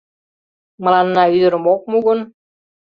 Мыланна ӱдырым ок му гын